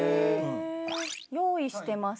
用意してます。